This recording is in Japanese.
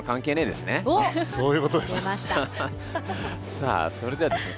さあそれではですね